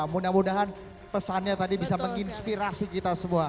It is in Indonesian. mudah mudahan pesannya tadi bisa menginspirasi kita semua